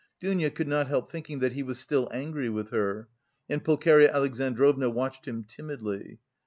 Dounia could not help thinking that he was still angry with her, and Pulcheria Alexandrovna watched him timidly.